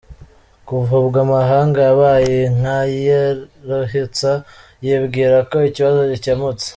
Kuva ubwo amahanga yabaye nk’ayiruhutsa yibwira ko ikibazo gikemutse.